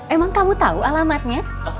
emang kamu tau alamatnya